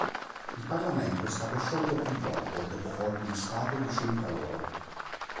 Il parlamento è stato sciolto più volte dopo colpi di stato vicini tra loro.